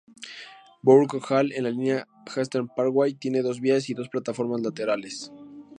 Borough Hall, en la línea Eastern Parkway, tiene dos vías y dos plataformas laterales.